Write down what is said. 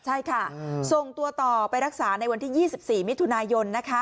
ใช่ค่ะส่งตัวต่อไปรักษาในวันที่๒๔มิถุนายน